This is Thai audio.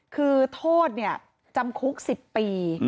คือโทษจำคุก๑๐ปี